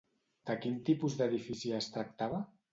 De quin tipus d'edifici es tractava?